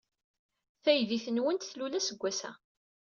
Taydit-nwent tlul aseggas-a.